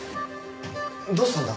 どうしたんだ？